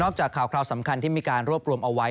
จากข่าวสำคัญที่มีการรวบรวมเอาไว้